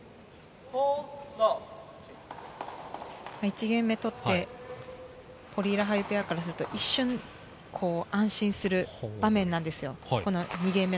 １ゲーム目を取ってポリイ、ラハユペアからすると一瞬安心する場面なんですよ。